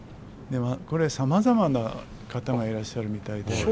これさまざまな方がいらっしゃるみたいで。